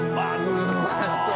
うまそう！